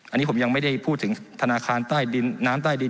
อันนี้ผมยังไม่ได้พูดถึงธนาคารใต้ดินน้ำใต้ดิน